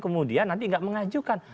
kemudian nanti tidak mengajukan